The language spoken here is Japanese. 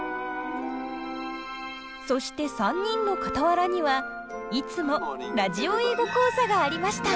そして３人のかたわらにはいつも「ラジオ英語講座」がありました。